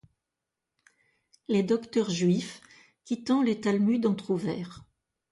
Les docteurs juifs, quittant les talmuds entr'ouverts